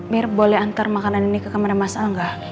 mir boleh antar makanan ini ke kamar mas al gak